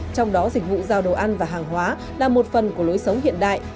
trong đó dịch vụ giao đồ ăn và hàng hóa là một phần của lối sống hiện đại